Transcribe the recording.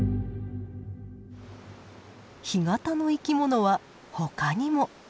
干潟の生き物は他にも。